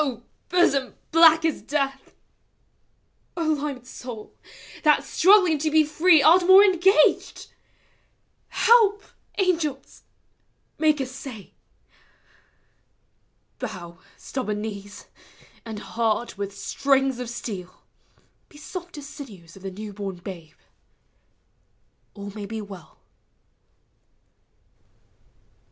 hosom black as death! O limed soul, that, struggling to be free. Art more engaged! Help, angels! Make assay! Bow, stubborn knees; and heart with strings of steel, He soft as sinews of the new born babe! All ma v be well.